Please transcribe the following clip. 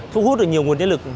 thu hút được nhiều nguồn nhân lực